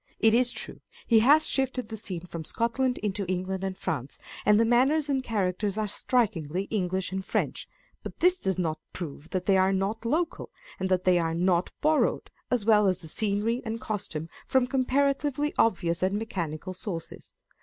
It is true, he has shifted the scene from Scotland into England and France, and the manners and characters are strikingly English and French ; but this does not prove that they are not local, and that they are not borrowed, as well as the scenery and costume, from com paratively obvious and mechanical sources.